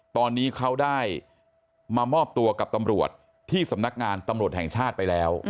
ตอนนี้เขาได้มามอบตัวกับตำรวจที่สำนักงานตำรวจแห่งชาติไปแล้ว